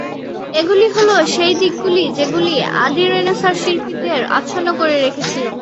এগুলি হল সেই দিকগুলি যেগুলি আদি রেনেসাঁর শিল্পীদের আচ্ছন্ন করে রেখেছিল।